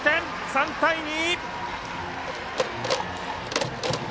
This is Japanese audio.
３対２！